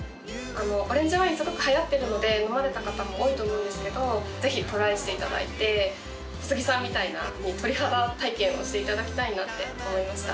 オレンジワインすごくはやってるので飲まれた方も多いと思うんですけどぜひトライしていただいて小杉さんみたいな鳥肌体験をしていただきたいなって思いました。